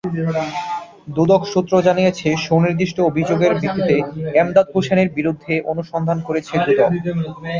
দুদক সূত্র জানিয়েছে, সুনির্দিষ্ট অভিযোগের ভিত্তিতে এমদাদ হোসেনের বিরুদ্ধে অনুসন্ধান করছে দুদক।